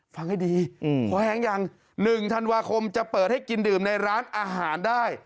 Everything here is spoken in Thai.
ฟังให้ดีพอแห้งยัง๑ธันวาคมจะเปิดให้กินดื่มในร้านอาหารได้